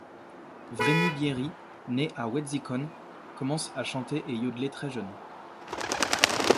Vreni Bieri, née le à Wetzikon, commence à chanter et yodler très jeune.